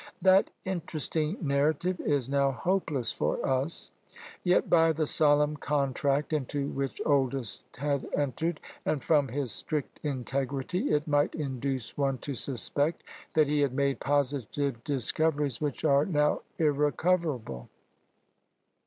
That interesting narrative is now hopeless for us. Yet, by the solemn contract into which Oldys had entered, and from his strict integrity, it might induce one to suspect that he had made positive discoveries which are now irrecoverable.